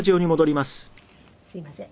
すいません。